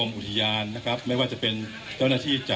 คุณผู้ชมไปฟังผู้ว่ารัฐกาลจังหวัดเชียงรายแถลงตอนนี้ค่ะ